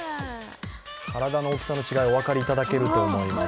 体の大きさの違い、お分かりいただけると思います。